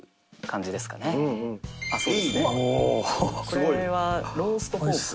これは。